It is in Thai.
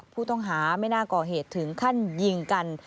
ผู้ต้องหาไม่น่าก่อเหตุถึงขั้นยิงกัน